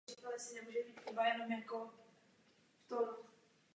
V této době byla také pořízena nová kazatelna a boční oltáře v klasicistním slohu.